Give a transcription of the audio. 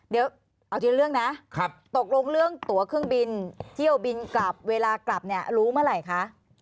เดี๋ยวเอาทีละเรื่องนะตกลงเรื่องตัวเครื่องบินเที่ยวบินกลับเวลากลับเนี่ยรู้เมื่อไหร่คะ